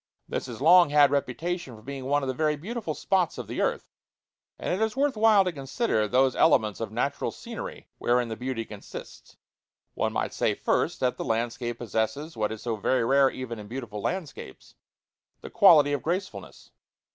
This has long had reputation for being one of the very beautiful spots of the earth, and it is worth while to consider those elements of natural scenery wherein the beauty consists. One might say, first, that the landscape possesses what is so very rare even in beautiful landscapes the quality of gracefulness.